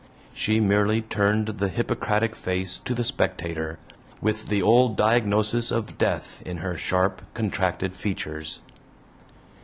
She merely turned the Hippocratic face to the spectator, with the old diagnosis of Death in her sharp, contracted features.